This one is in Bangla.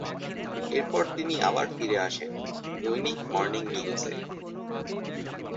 এরপর তিনি আবার ফিরে আসেন "দৈনিক মর্নিং নিউজ"-এ।